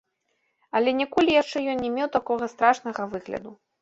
Але ніколі яшчэ ён не меў такога страшнага выгляду.